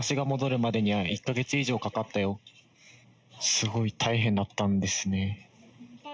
すごい大変だったんですね。